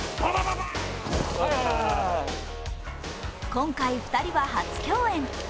今回２人は初共演。